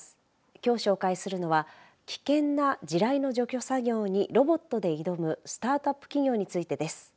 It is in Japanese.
きょう紹介するのは危険な地雷の除去作業にロボットで挑むスタートアップ企業についてです。